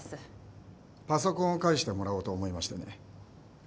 パソコンを返してもらおうと思いましてね。